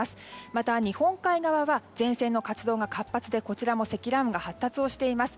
また、日本海側は前線の活動が活発で、こちらも積乱雲が発達しています。